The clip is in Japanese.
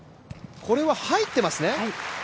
これは入ってますね？